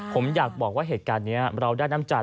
ผมอยากบอกว่าเหตุการณ์นี้เราได้น้ำใจ